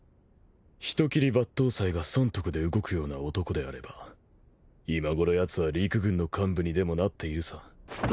人斬り抜刀斎が損得で動くような男であれば今ごろやつは陸軍の幹部にでもなっているさ。